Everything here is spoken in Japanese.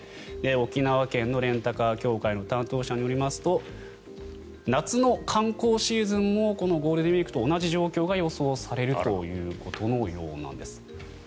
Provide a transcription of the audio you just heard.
沖縄県のレンタカー協会の担当者によりますと夏の観光シーズンもこのゴールデンウィークと同じ状況が予想されるということのようなんです。